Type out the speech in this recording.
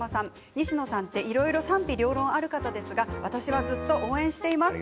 西野さんっていろいろ賛否両論ある方ですが私はずっと応援しています。